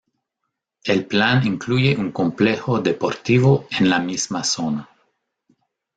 El plan incluye un complejo deportivo en la misma zona.